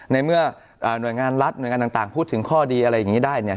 ในเมื่อหน่วยงานรัฐหน่วยงานต่างพูดถึงข้อดีอะไรอย่างนี้ได้เนี่ย